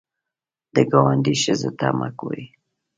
د ګاونډي ښځو ته مه ګورې